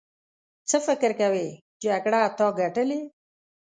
څه فکر کوې جګړه تا ګټلې.